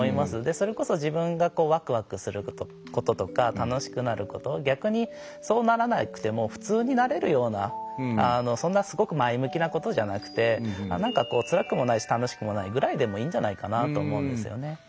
それこそ自分がワクワクすることとか楽しくなること逆にそうならなくても普通になれるようなそんなすごく前向きなことじゃなくてなんかこうつらくもないし楽しくもないぐらいでもいいんじゃないかなと思うんですよね。